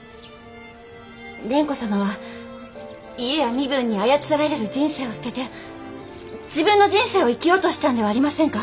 蓮子様は家や身分に操られる人生を捨てて自分の人生を生きようとしたんではありませんか？